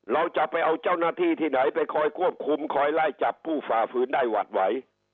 เราจะไปเอาเจ้าหน้าที่ที่ไหนไปคอยควบคุมคอยไล่จับผู้ฝ่าฝืนได้หวัดไหว